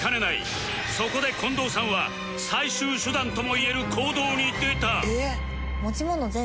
そこで近藤さんは最終手段ともいえる行動に出た